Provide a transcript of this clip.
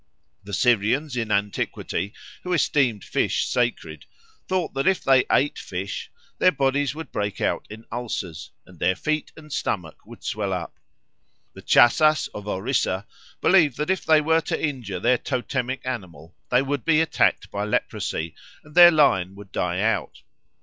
The Syrians, in antiquity, who esteemed fish sacred, thought that if they ate fish their bodies would break out in ulcers, and their feet and stomach would swell up. The Chasas of Orissa believe that if they were to injure their totemic animal they would be attacked by leprosy and their line would die out.